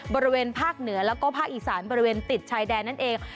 บริเวณภาคเหนือแล้วก็ภาคอีสานบริเวณติดชายแดนนั่นเอง